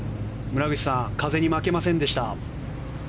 村口さん風に負けませんでした。